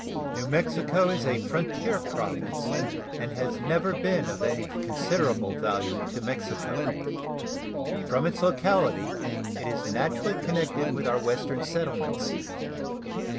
New Mexico is a frontier Province, and has never been of any considerable value to Mexico. From its locality it is naturally connected with our Western settlements.